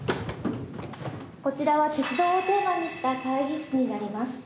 こちらは鉄道をテーマにした会議室になります。